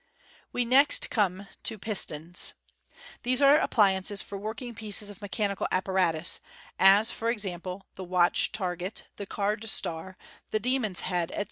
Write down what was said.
We next come to — Pistons. — These are appliances for working pieces of mechanical apparatus — as, for example, the Watch Target, the Card Star, the Demon's Head, etc.